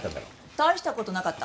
大した事なかった。